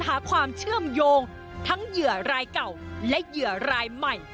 หาความเชื่อมโยงทั้งเหยื่อรายเก่าและเหยื่อรายใหม่